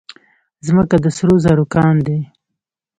ځمکه د سرو زرو کان دی.